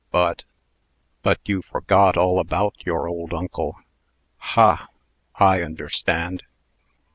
But " "But you forgot all about your old uncle. Ha! I understand.